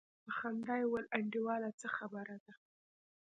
په خندا يې وويل انډيواله څه خبره ده.